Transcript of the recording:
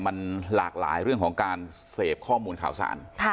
มันหลากหลายเรื่องของการเสพข้อมูลข่าวสาร